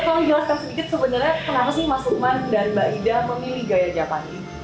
boleh kamu jelaskan sedikit sebenarnya kenapa sih mas lukman dan mbak ida memilih gaya japandi